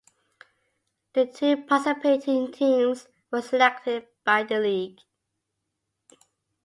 The two participating teams were selected by the league.